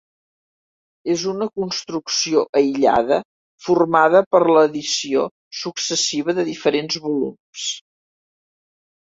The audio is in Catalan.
És una construcció aïllada formada per l'addició successiva de diferents volums.